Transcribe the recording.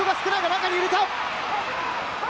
中に入れた！